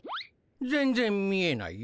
全然見えないよ。